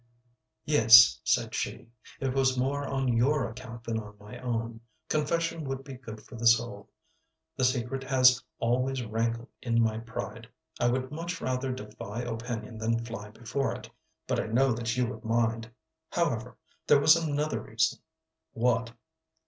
"Yes," said she. "It was more on your account than on my own; confession would be good for the soul. The secret has always rankled in my pride. I would much rather defy opinion than fly before it. But I know that you would mind. However, there was another reason." "What?"